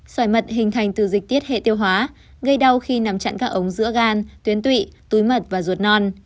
sỏi mật hình thành từ dịch tiết hệ tiêu hóa gây đau khi nằm chặn các ống giữa gan tuyến tụy túi mật và ruột non